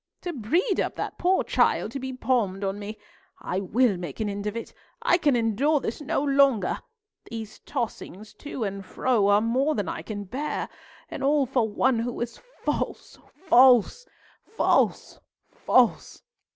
To breed up that poor child to be palmed on me! I will make an end of it; I can endure this no longer! These tossings to and fro are more than I can bear, and all for one who is false, false, false, false!